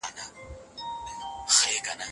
قصاص په عمدي جرائمو پوری تړلي جزاوي دي